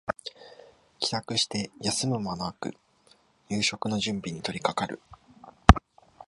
帰宅して休む間もなく夕食の準備に取りかかる